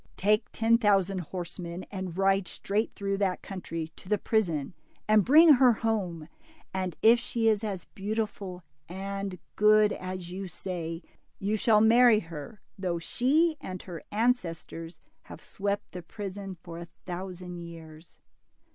Take ten thousand horsemen and ride straight through that country to the prison, and bring her home, and if she is as beautiful and good as you say, you shall inarry her though she and her ancestors have swept the prison for a thousand years."